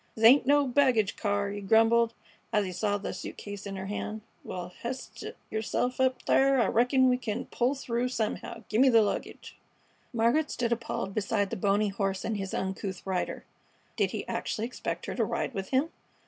"This ain't no baggage car," he grumbled, as he saw the suit case in her hand. "Well, h'ist yerself up thar; I reckon we c'n pull through somehow. Gimme the luggage." Margaret stood appalled beside the bony horse and his uncouth rider. Did he actually expect her to ride with him?